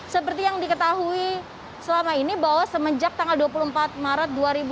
seperti yang diketahui selama ini bahwa semenjak tanggal dua puluh empat maret dua ribu dua puluh